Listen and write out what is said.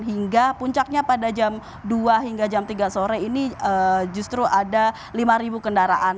hingga puncaknya pada jam dua hingga jam tiga sore ini justru ada lima kendaraan